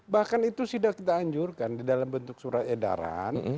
bahkan itu sudah kita anjurkan di dalam bentuk surat edaran